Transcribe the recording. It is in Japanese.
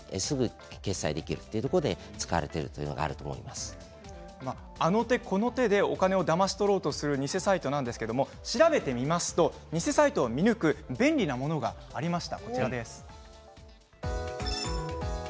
電子マネーはその点、足がつきにくいその決済できるというところで使われているあの手この手でお金をだましとろうとする偽サイトなんですが調べてみますと偽サイトを見抜く便利なものがありました。